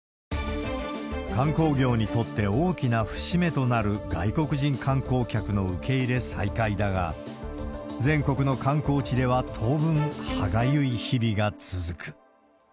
観光業にとって大きな節目となる外国人観光客の受け入れ再開だが、全国の観光地では当分、歯がゆい日々が続く。